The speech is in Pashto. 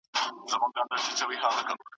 نور علوم هم هر اړخیزو څېړنو ته اړتیا لري.